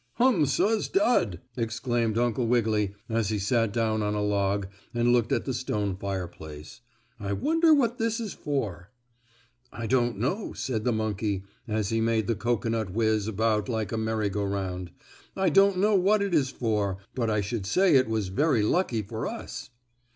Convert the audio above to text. "Hum suz dud!" exclaimed Uncle Wiggily, as he sat down on a log, and looked at the stone fireplace, "I wonder what this is for?" "I don't know," said the monkey, as he made the cocoanut whiz about like a merry go round, "I don't know what it is for, but I should say it was very lucky for us."